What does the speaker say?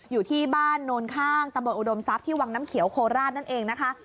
อยู่ที่บ้านโนนข้างตำบลอุดมทรัพย์ที่วังน้ำเขียวโคราชนั่นเองนะคะ